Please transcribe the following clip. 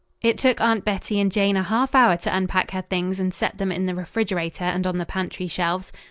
It took Aunt Bettie and Jane a half hour to unpack her things and set them in the refrigerator and on the pantry shelves.